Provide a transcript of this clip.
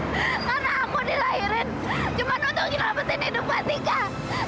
karena aku dilahirin cuma untuk ngilametin hidup mati kak